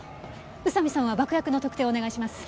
宇佐見さんは爆薬の特定をお願いします。